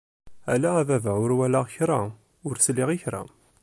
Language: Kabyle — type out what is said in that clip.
Ala a baba ur walaɣ kra, ur sliɣ i kra!